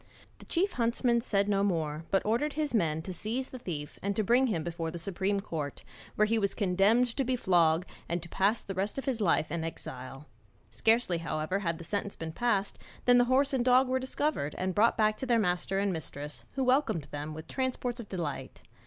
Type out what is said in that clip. The chief huntsman said no more, but ordered his men to seize the thief and to bring him before the supreme court, where he was condemned to be flogged and to pass the rest of his life in exile. Scarcely, however, had the sentence been passed than the horse and dog were discovered and brought back to their master and mistress, who welcomed them with transports of delight.